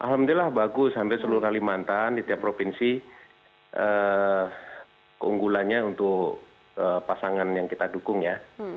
alhamdulillah bagus sampai seluruh kalimantan di tiap provinsi keunggulannya untuk pasangan yang kita dukung ya